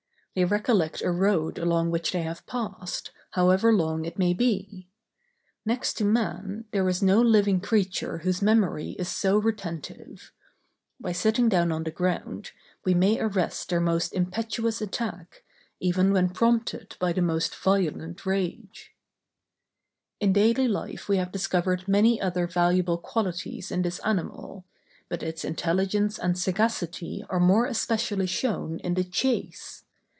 They recollect a road along which they have passed, however long it may be. Next to man, there is no living creature whose memory is so retentive. By sitting down on the ground, we may arrest their most impetuous attack, even when prompted by the most violent rage. [Illustration: THIBET DOG.—Canis Familiáris.] In daily life we have discovered many other valuable qualities in this animal; but its intelligence and sagacity are more especially shown in the chase.